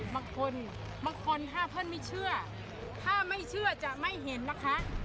บางคนบางคนถ้าท่านไม่เชื่อถ้าไม่เชื่อจะไม่เห็นนะคะ